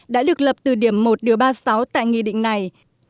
đã được lập từ điểm một điều ba mươi sáu tại nghị định này